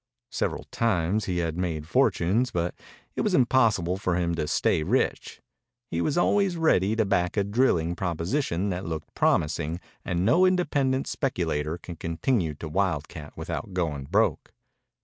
Several times he had made fortunes, but it was impossible for him to stay rich. He was always ready to back a drilling proposition that looked promising, and no independent speculator can continue to wildcat without going broke.